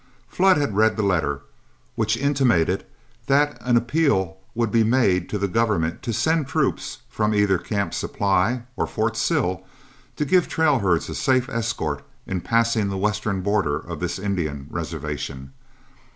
Flood had read the letter, which intimated that an appeal would be made to the government to send troops from either Camp Supply or Fort Sill to give trail herds a safe escort in passing the western border of this Indian reservation.